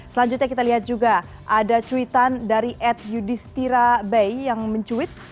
selanjutnya kita lihat juga ada cuitan dari ed yudhistira bey yang mencuit